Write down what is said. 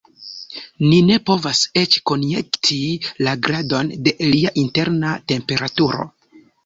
Ni ne povas eĉ konjekti la gradon de lia interna temperaturo.